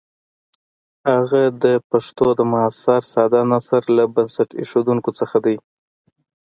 هغه د پښتو د معاصر ساده نثر له بنسټ ایښودونکو څخه دی.